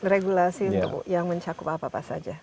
regulasi untuk yang mencakup apa apa saja